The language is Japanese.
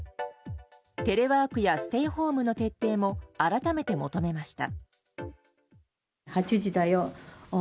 テレワークやステイホームの徹底も改めて求めました。